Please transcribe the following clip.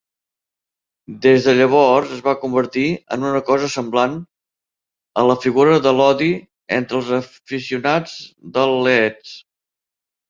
Des de llavors es va convertir en una cosa semblant a la figura de l'odi entre els aficionats del Leeds.